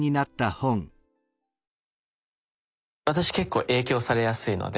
私結構影響されやすいので。